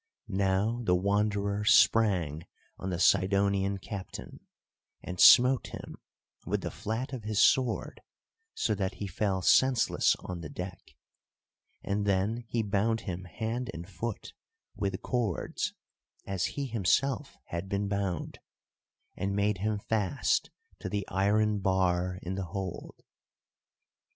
Now the Wanderer sprang on the Sidonian captain, and smote him with the flat of his sword so that he fell senseless on the deck, and then he bound him hand and foot with cords as he himself had been bound, and made him fast to the iron bar in the hold.